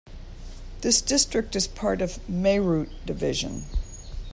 This district is part of Meerut Division.